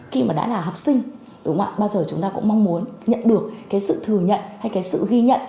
khi mà đã là học sinh đúng ạ bao giờ chúng ta cũng mong muốn nhận được cái sự thừa nhận hay cái sự ghi nhận